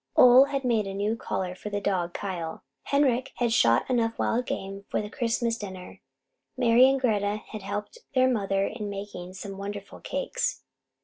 Ole had made a new collar for the dog, Kyle; Henrik had shot enough wild game for the Christmas dinner; Mari and Greta had helped their mother in making some wonderful cakes.